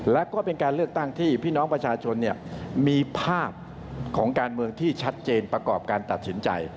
และก็เป็นการเลือกตั้งที่พี่น้องประชาชนมีภาพของการเมืองที่ชัดเจนประกอบการตัดสินใจ